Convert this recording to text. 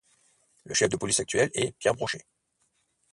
Le chef de police actuel est Pierre Brochet.